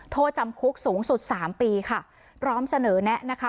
โทษจำคุกสูงสุดสามปีค่ะพร้อมเสนอแนะนะคะ